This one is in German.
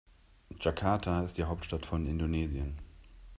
Jakarta ist die Hauptstadt von Indonesien.